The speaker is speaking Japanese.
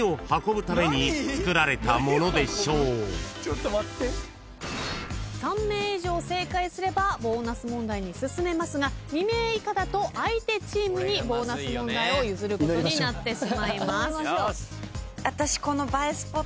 ［いったい］３名以上正解すればボーナス問題に進めますが２名以下だと相手チームにボーナス問題を譲ることになってしまいます。